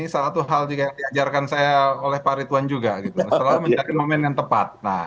ini salah satu hal juga yang diajarkan saya oleh pak retuan juga setelah mencari momen yang tepat